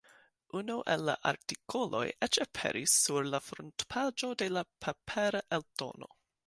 Unu el la artikoloj eĉ aperis sur la frontpaĝo de la papera eldono.